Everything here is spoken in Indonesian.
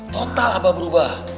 total abah berubah